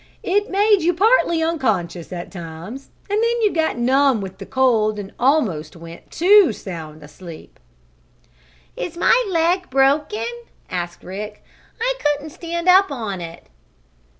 "It made you partly unconscious at times, and then you got numb with the cold, and almost went too sound asleep." "Is my leg broken?" asked Rick. "I couldn't stand up on it."